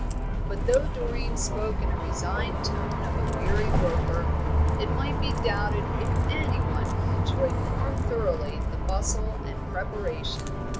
But, though Doreen spoke in a resigned tone of a weary worker, it might be doubted if any one enjoyed more thoroughly the bustle and preparation.